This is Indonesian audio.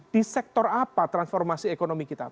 di sektor apa transformasi ekonomi kita